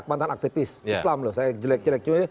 mantan aktivis islam saya jelek jeleknya